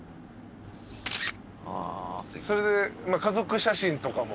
それで家族写真とかも？